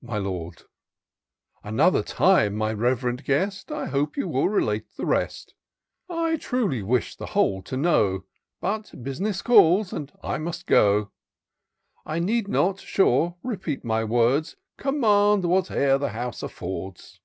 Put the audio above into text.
My Lord. Another time, my rev'rend guest, I hope you will relate the rest : I truly wish the whole to know. But bus'ness calls, and I must go. I need not, sure, repeat my words : Command whatever the house affords.'